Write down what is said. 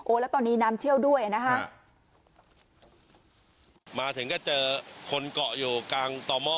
แล้วตอนนี้น้ำเชี่ยวด้วยนะฮะมาถึงก็เจอคนเกาะอยู่กลางต่อหม้อ